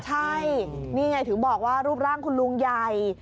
ใช่นี่ไงถึงบอกว่ารูปร่างคุณลุงใหญ่